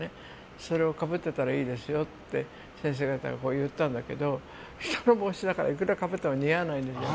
それをかぶってたらいいですよって先生方が言ったんだけど人の帽子だからいくらかぶっても似合わない。